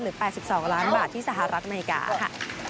หรือ๘๒ล้านบาทที่สหรัฐองค์อเมย์กลาสค่ะ